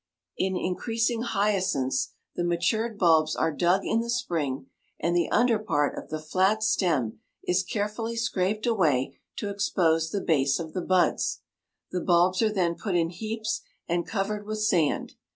In increasing hyacinths the matured bulbs are dug in the spring, and the under part of the flat stem is carefully scraped away to expose the base of the buds. The bulbs are then put in heaps and covered with sand.